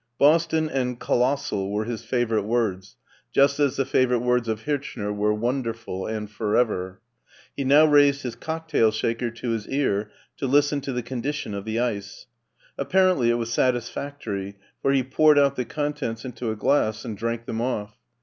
" Boston *' and " colossal " were his fav orite words, just as the favorite words of Hirchner were " wonderful," and *' for ever." He now raised his cocktail shaker to his ear to listen to the condi tion of the ice. Apparently it was satisfactory, for he poured out the contents into a glass and drank them off.